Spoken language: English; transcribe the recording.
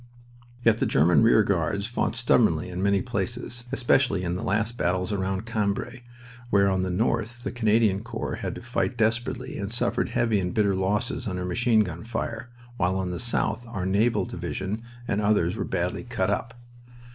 Yet the German rear guards fought stubbornly in many places, especially in the last battles round Cambrai, where, on the north, the Canadian corps had to fight desperately, and suffered heavy and bitter losses under machine gun fire, while on the south our naval division and others were badly cut up.